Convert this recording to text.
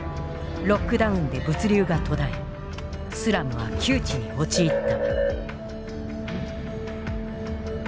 ロックダウンで物流が途絶えスラムは窮地に陥った。